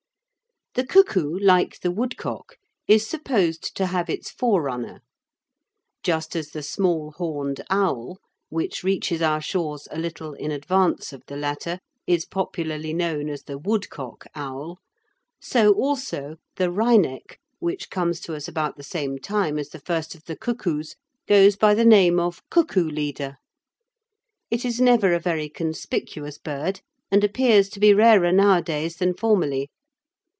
The cuckoo, like the woodcock, is supposed to have its forerunner. Just as the small horned owl, which reaches our shores a little in advance of the latter, is popularly known as the "woodcock owl," so also the wryneck, which comes to us about the same time as the first of the cuckoos, goes by the name of "cuckoo leader." It is never a very conspicuous bird, and appears to be rarer nowadays than formerly.